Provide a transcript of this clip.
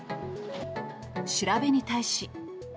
調べに対し。